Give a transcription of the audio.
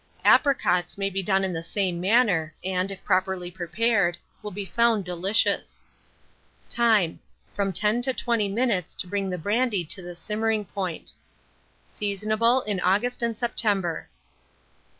Apricots may be done in the same manner, and, if properly prepared, will be found delicious. Time. From 10 to 20 minutes to bring the brandy to the simmering point. Seasonable in August and September.